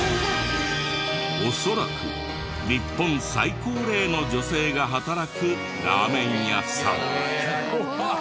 恐らく日本最高齢の女性が働くラーメン屋さん。